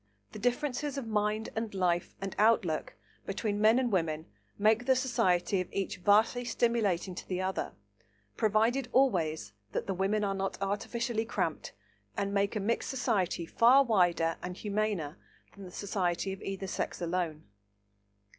The differences of mind and life and outlook between men and women make the society of each vastly stimulating to the other, provided always that the women are not artificially cramped, and make a mixed society far wider and humaner than the society of either sex alone.